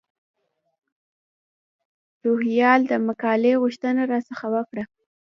روهیال د مقالې غوښتنه را څخه وکړه.